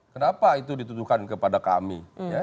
kenapa itu dituduhkan kepada kami